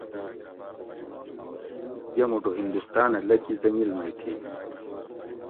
یہ موٹو ھندوستانہ لکھی حٔنگل مئ تھی